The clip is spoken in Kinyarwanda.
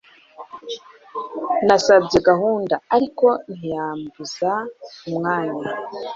nasabye gahunda, ariko ntiyambuza umwanya